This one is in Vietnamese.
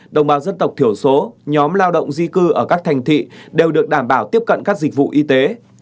đồng bào dân tộc thiểu số nhóm lao động di cư ở các thành thị đều được đảm bảo tiếp cận các dịch vụ y tế